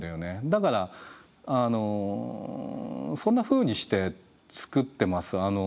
だからそんなふうにして作ってます。